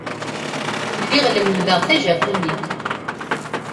Lliɣ lemmdeɣ Tajaponit.